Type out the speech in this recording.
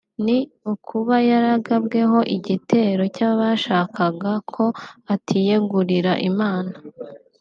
ni ukuba yaragabweho igitero cy’ abashakaga ko atiyegurira Imana